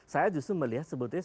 saya justru melihat sebutannya